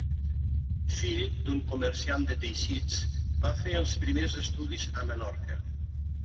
Fill d'un comerciant de teixits, va fer els primers estudis a Menorca.